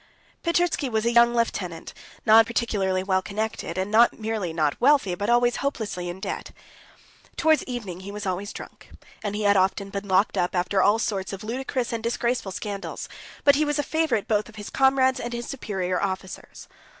Petritsky was a young lieutenant, not particularly well connected, and not merely not wealthy, but always hopelessly in debt. Towards evening he was always drunk, and he had often been locked up after all sorts of ludicrous and disgraceful scandals, but he was a favorite both of his comrades and his superior officers.